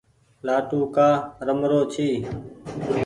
لآٽون ڪآ رمرو ڇي۔